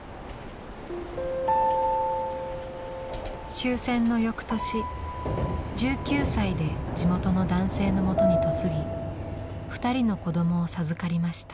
終戦の翌年１９歳で地元の男性のもとに嫁ぎ２人の子どもを授かりました。